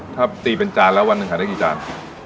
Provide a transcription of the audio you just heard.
ถ้าตีเป็นจานแล้ววันหนึ่งขายได้กี่จาน